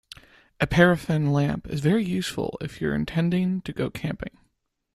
A paraffin lamp is very useful if you're intending to go camping